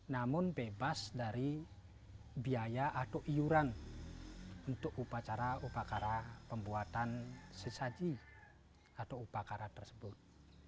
namun bebas dari biaya atau iuran untuk upacara upacara pembuatan sesaji atau upacara tersebut